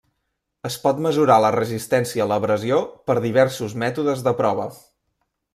Es pot mesurar la resistència a l'abrasió per diversos mètodes de prova.